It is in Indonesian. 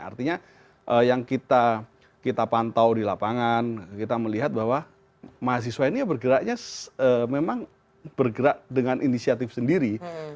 artinya yang kita pantau di lapangan kita melihat bahwa mahasiswa ini bergeraknya memang bergerak dengan inisiatif sendiri